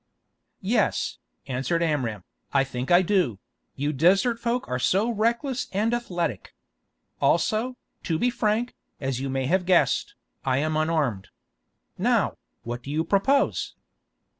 "Yes," answered Amram, "I think I do; you desert folk are so reckless and athletic. Also, to be frank, as you may have guessed, I am unarmed. Now, what do you propose?"